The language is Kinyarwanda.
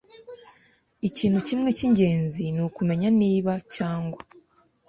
Ikintu kimwe cyingenzi nukumenya niba cyangwa